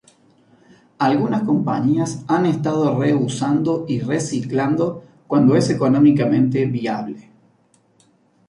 Algunas compañías han estado re-usando y reciclando cuando es económicamente viable.